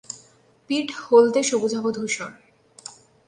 পিঠ হলদে সবুজাভ ধূসর।